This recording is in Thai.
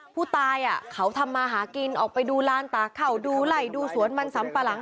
ผู้ตายเขาทำมาหากินออกไปดูลานตาเข่าดูไหล่ดูสวนมันสำปะหลัง